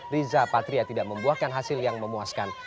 riza patria tidak membuahkan hasil yang memuaskan